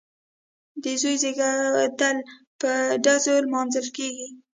د زوی زیږیدل په ډزو لمانځل کیږي.